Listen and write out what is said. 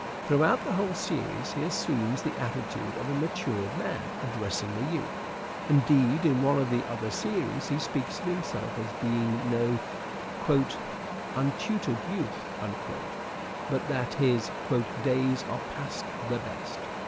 Throughout the whole series he assumes the attitude of a matured man addressing a youth. Indeed, in one of the other series he speaks of himself as being no " untutor'd youth," but that his " days are past the best."